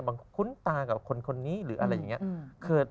คุ้นตากับคนนี้หรืออะไรอย่างนี้